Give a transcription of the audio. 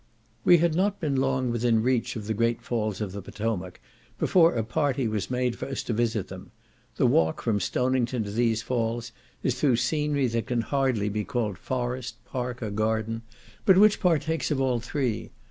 We had not been long within reach of the great falls of the Potomac before a party was made for us to visit them; the walk from Stonington to these falls is through scenery that can hardly be called forest, park, or garden; but which partakes of all three.